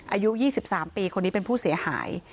อายุ๒๓ปีคนนี้เป็นผู้เสียหาย